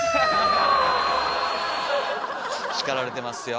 叱られてますよ。